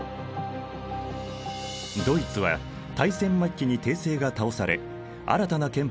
ドイツは大戦末期に帝政が倒され新たな憲法を制定。